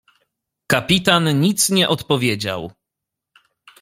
"Kapitan nic nie odpowiedział."